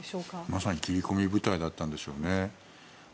まさに切り込み部隊だったんでしょうね。